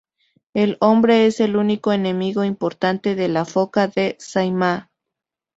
El hombre es el único enemigo importante de la foca de Saimaa.